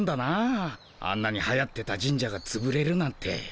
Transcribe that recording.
あんなにはやってた神社がつぶれるなんて。